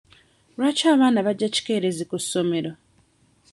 Lwaki abaana bajja kikeerezi ku ssomero?